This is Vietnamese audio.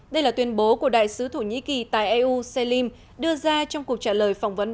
đây là tuyên bố của đại sứ thổ nhĩ kỳ tại eu selim đưa ra trong cuộc trả lời phỏng vấn